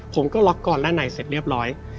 ผมก็ล็อกกอนด้านในเสร็จเรียบร้อย